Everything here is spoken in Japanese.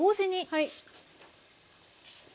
はい。